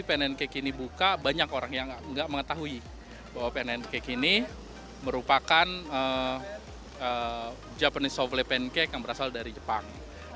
pnn cake ini buka banyak orang yang tidak mengetahui bahwa pnn cake ini merupakan japanese soffle pancake yang berasal dari jepang